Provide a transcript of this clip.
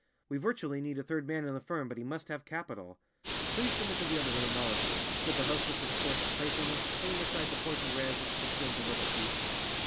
We virtually need a third man in the firm, but he must have capital." "Please come into the other room, all of you," said the hostess with a forced playfulness, pulling aside the porti—res which had concealed the little feast.